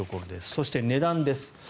そして値段です。